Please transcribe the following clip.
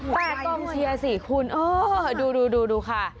๘กล้องเชียร์๔คูณดูค่ะ